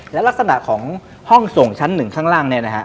และลักษณะของห้องส่งชั้นหนึ่งข้างล่างเนี่ยนะฮะ